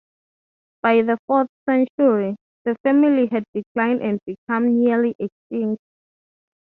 By the fourth century, the family had declined and become nearly extinct.